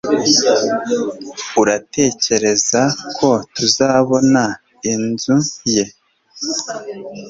Uratekereza ko tuzabona inzu ye